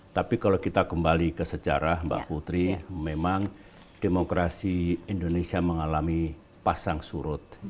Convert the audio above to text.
tapi kalau kita kembali ke sejarah mbak putri memang demokrasi indonesia mengalami pasang surut